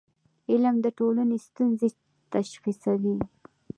علم د ټولنې ستونزې تشخیصوي.